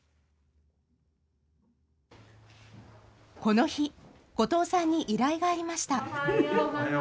この日後藤さんに依頼がありました。